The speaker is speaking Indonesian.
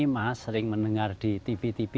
mas sering mendengar di tv tv